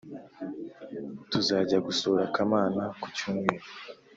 Tuzajya gusura Kamana ku cy’umweru